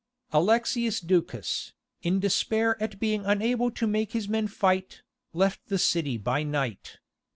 Alexius Ducas, in despair at being unable to make his men fight, left the city by night.